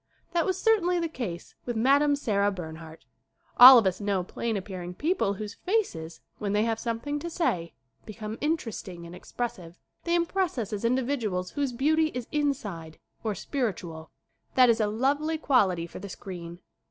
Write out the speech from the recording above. That was certainly the case with Mme. Sarah Bernhardt. All of us know plain appearing persons whose faces, when they have something to say, become interesting and expressive. They impress us as individuals whose beauty is inside or spiritual. That is a lovely quality for the screen.